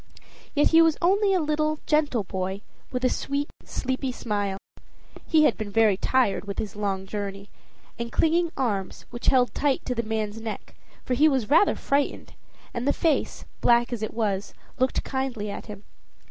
Yet he was only a little gentle boy, with a sweet, sleepy smile he had been very tired with his long journey and clinging arms, which held tight to the man's neck, for he was rather frightened, and the face, black as it was, looked kindly at him.